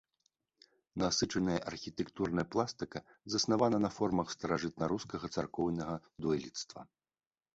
Насычаная архітэктурная пластыка заснавана на формах старажытнарускага царкоўнага дойлідства.